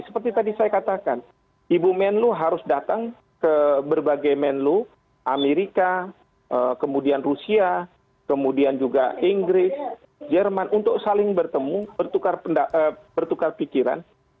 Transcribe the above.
seperti tadi saya katakan ibu menlo harus datang ke berbagai menlu amerika kemudian rusia kemudian juga inggris jerman untuk saling bertemu bertukar pikiran